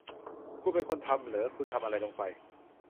คุณเป็นคนทำหรอ ? คุณทำอะไรลงไป ?